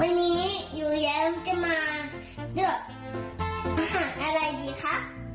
วันนี้อยู่แล้วจะมาเลือกอาหารอะไรดีคะ